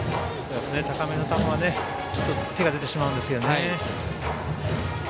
高めの球に手が出てしまうんですよね。